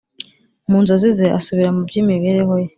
mu nzozi ze, asubira mu by'imibereho ye